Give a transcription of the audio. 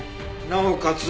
なおかつ